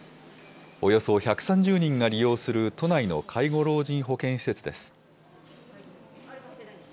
およそ１３０人が利用する都内の介護老人保健施設です。